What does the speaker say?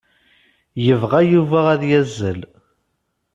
Yebɣa Yuba ad yazzel.